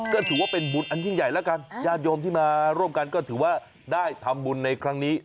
ก็ถือว่าเป็นบุญอันยิ่งใหญ่แล้วกันญาติโยมที่มาร่วมกันก็ถือว่าได้ทำบุญในครั้งนี้